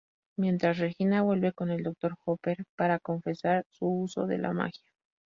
Mientras Regina vuelve con el Dr. Hopper para confesar su uso de la magia.